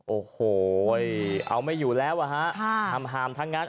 โอ้โหเอาไม่อยู่แล้วอ่ะฮะห้ามทั้งนั้น